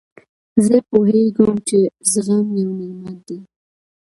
زه پوهېږم، چي زغم یو نعمت دئ.